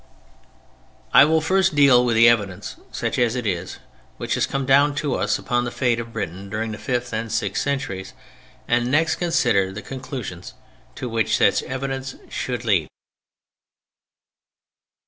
I will first deal with the evidence—such as it is—which has come down to us upon the fate of Britain during the fifth and sixth centuries, and next consider the conclusions to which such evidence should lead us.